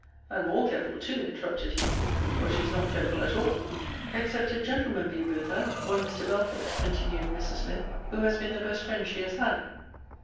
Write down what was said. And more careful too, interrupted he, or she is not careful at all Except a gentleman be with her, one Mr. Belford, continued Mrs. Smith, who has been the best friend she has had.